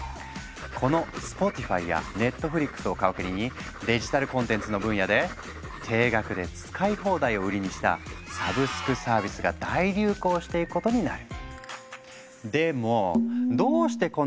この「スポティファイ」や「ネットフリックス」を皮切りにデジタルコンテンツの分野で定額で使い放題を売りにしたサブスクサービスが大流行していくことになる。